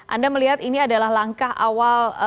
anda melihat ini adalah langkah awal